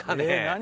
何？